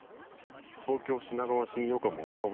「東京品川新横浜小田原